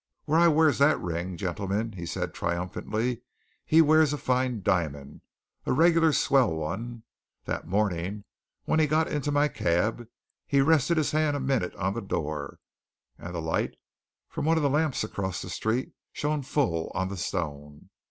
"Where I wears that ring, gentlemen," he said triumphantly, "he wears a fine diamond a reg'lar swell 'un. That morning, when he got into my cab, he rested his hand a minute on the door, and the light from one o' the lamps across the street shone full on the stone.